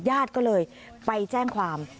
ญาติก็เลยไปแจ้งความ